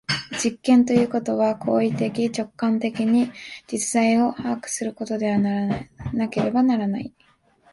実験ということは行為的直観的に実在を把握することでなければならない。